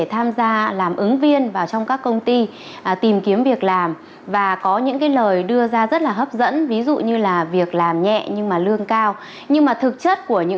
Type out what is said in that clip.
hãy đăng ký kênh để nhận thêm thông tin